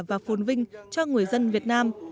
và phôn vinh cho người dân việt nam